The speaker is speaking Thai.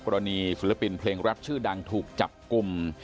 กรณีฟิลิปปินส์เพลงแรปชื่อดังถูกจับกลุ่ม